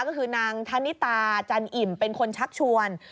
ก็คือนางธนิตาจันอิ่มเป็นคนชักชวน